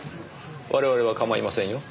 我々は構いませんよ。